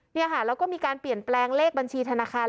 และมีการก็เปลี่ยนแปลงเลขบัญชีธนาคตุ